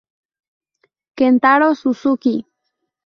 Kentaro Suzuki